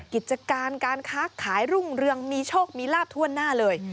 กิจการการค้าขายรุ่งเรืองมีโชคมีลาบทั่วหน้าเลย